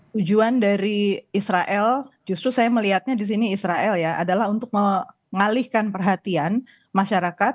tujuan dari israel justru saya melihatnya di sini israel ya adalah untuk mengalihkan perhatian masyarakat